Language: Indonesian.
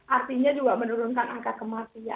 artinya juga menurunkan angka kematian